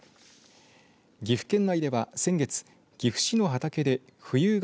岐阜県内では先月岐阜市の畑で富有柿